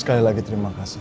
sekali lagi terima kasih